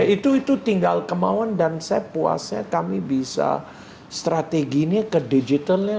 itu tinggal kemauan dan saya puasnya kami bisa strateginya ke digitalnya